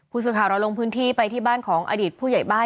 ผู้สื่อข่าวเราลงพื้นที่ไปที่บ้านของอดีตผู้ใหญ่บ้าน